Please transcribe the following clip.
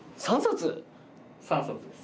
３冊です。